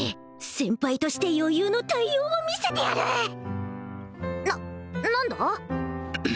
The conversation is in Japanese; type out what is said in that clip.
先輩として余裕の対応を見せてやるな何だ？